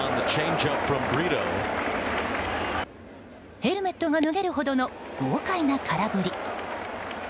ヘルメットが脱げるほどの豪快な空振り。